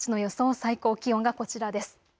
最高気温がこちらです。